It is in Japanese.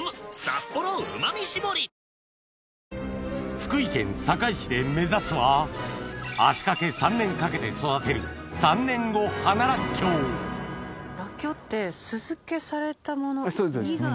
福井県坂井市で目指すは足掛け３年かけて育てるラッキョウって酢漬けされたもの以外の？